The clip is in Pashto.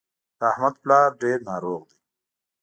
د احمد پلار ډېر ناروغ دی